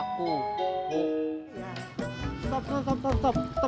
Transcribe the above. kenapa kamu tidur di luar vokal